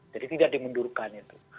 jadi tidak dimundurkan itu